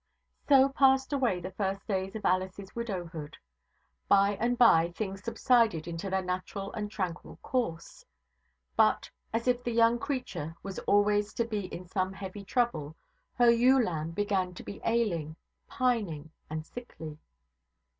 So passed away the first days of Alice's widowhood. By and by things subsided into their natural and tranquil course. But, as if the young creature was always to be in some heavy trouble, her ewe lamb began to be ailing, pining, and sickly.